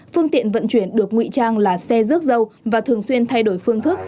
phương tiện vận chuyển được nguy trang là xe rước dâu và thường xuyên thay đổi phương thức